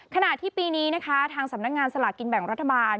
ขณะที่ปีนี้นะคะทางสำนักงานสลากกินแบ่งรัฐบาล